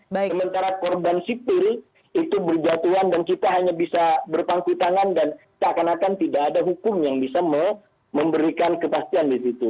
sementara korban sipil itu berjatuhan dan kita hanya bisa berpangku tangan dan seakan akan tidak ada hukum yang bisa memberikan kepastian di situ